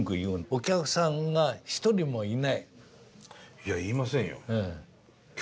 いや言いませんよ。